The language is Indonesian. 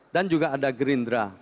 dan juga ada gerindra